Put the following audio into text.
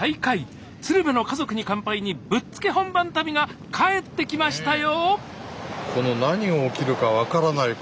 「鶴瓶の家族に乾杯」にぶっつけ本番旅が帰ってきましたよ！